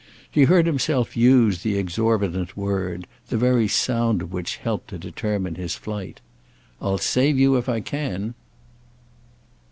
He heard himself use the exorbitant word, the very sound of which helped to determine his flight. "I'll save you if I can."